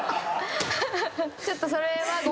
ちょっとそれは。